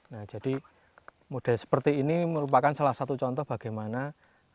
nah jadi model seperti ini merupakan salah satu contoh bagaimana anggrek yang menempel di tempat ini